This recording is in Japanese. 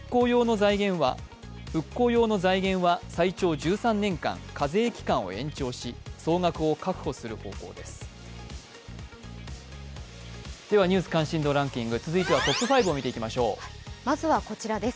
復興用の財源は最長１３年間課税期間を延長し、総額を確保する方向です。